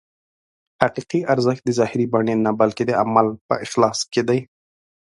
حقیقي ارزښت د ظاهري بڼې نه بلکې د عمل په اخلاص کې دی.